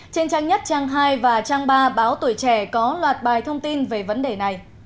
trên trang nhất trang hai và trang ba báo tuổi trẻ có loạt bài thông tin về vấn đề này